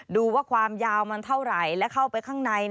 ดูว่าความยาวมันเท่าไหร่และเข้าไปข้างใน